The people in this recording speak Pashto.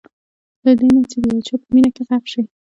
له دې نه چې د یو چا په مینه کې غرق شئ.